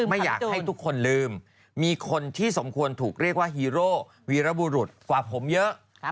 ไม่อยากให้ทุกคนลืมมีคนที่สมควรถูกเรียกว่าฮีโร่วีรบุรุษกว่าผมเยอะ